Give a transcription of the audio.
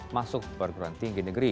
masuk perguruan tinggi negeri